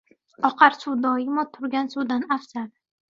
• Oqar suv doimo turgan suvdan afzal.